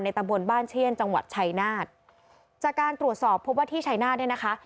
ตำบลบ้านเชี่ยนจังหวัดชายนาฏจากการตรวจสอบพบว่าที่ชัยนาธเนี่ยนะคะ